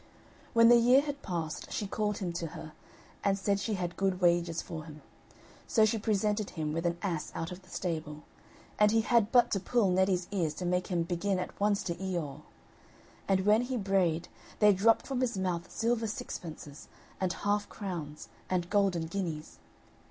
When the year had passed, she called him to her, and said she had good wages for him. So she presented him with an ass out of the stable, and he had but to pull Neddy's ears to make him begin at once to ee aw! And when he brayed there dropped from his mouth silver sixpences, and half crowns, and golden guineas.